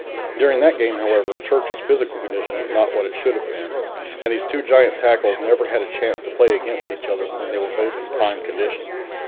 During that game, however, Church's physical condition was not what it should have been, and these two giant tackles never had a chance to play against each other when they were both in prime condition.